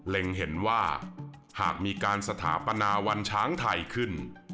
เห็นว่าหากมีการสถาปนาวันช้างไทยขึ้น